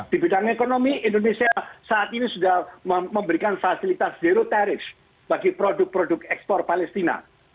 di bidang ekonomi indonesia saat ini sudah memberikan fasilitas zero tarif bagi produk produk ekspor palestina